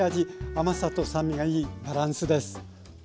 甘さと酸味がいいバランスです。